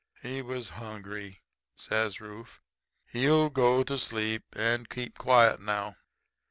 "'He was hungry,' says Rufe. 'He'll go to sleep and keep quiet now.'